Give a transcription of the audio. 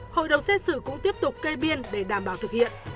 hội đồng xét xử cũng tiếp tục kê biên để đảm bảo thực hiện